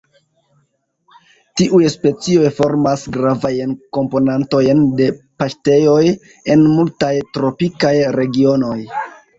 Tiuj specioj formas gravajn komponantojn de paŝtejoj en multaj tropikaj regionoj.